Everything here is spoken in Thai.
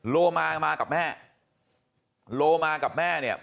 โรมามากับแม่